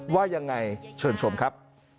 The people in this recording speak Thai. ว่ายังไงเชิญชมครับ